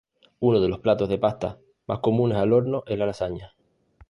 Uno de los platos de pasta más comunes al horno es la lasagna.